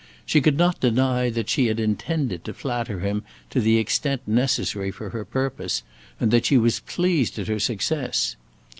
She could not deny that she had intended to flatter him to the extent necessary for her purpose, and that she was pleased at her success.